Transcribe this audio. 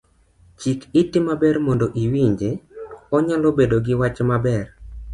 Chik iti maber mondo iwinje, onyalo bedo giwach maber.